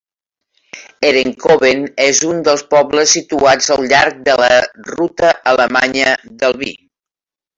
Edenkoben és un dels pobles situats al llarg de la Ruta Alemanya del Vi.